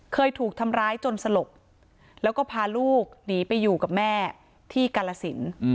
เคยถูกทำร้ายจนสลบแล้วก็พาลูกหนีไปอยู่กับแม่ที่กาลสิน